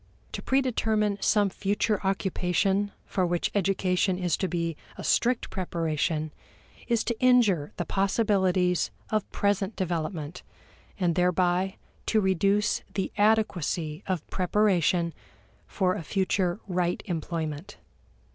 To predetermine some future occupation for which education is to be a strict preparation is to injure the possibilities of present development and thereby to reduce the adequacy of preparation for a future right employment.